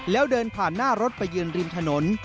แล้วเดินผ่านหน้ารถไปยืนริมถนน